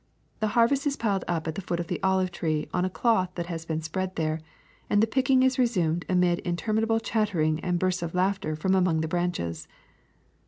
The harvest is piled up at the foot of the olive tree on a cloth that has been spread there, and the picking is resumed amid interminable chattering and bursts of laughter from among the branches.